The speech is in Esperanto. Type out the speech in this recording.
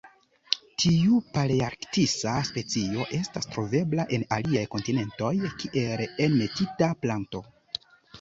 Tiu palearktisa specio estas trovebla en aliaj kontinentoj kiel enmetita planto.